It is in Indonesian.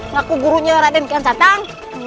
ngaku gurunya raden kaya santan